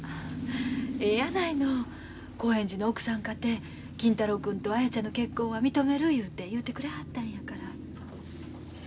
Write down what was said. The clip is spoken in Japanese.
えやないの。興園寺の奥さんかて金太郎君と綾ちゃんの結婚は認めるいうて言うてくれはったんやから。